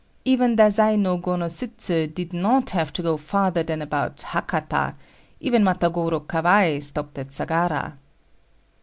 Even Dazai no Gonnosutsu did not have to go farther than about Hakata; even Matagoro Kawai stopped at Sagara.